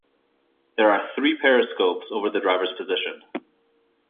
There are three periscopes over the driver's position.